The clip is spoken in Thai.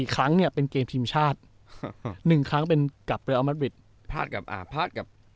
ก็จัดเลือกว่าจะพัดกับ